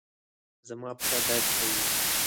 زما پښه درد کوي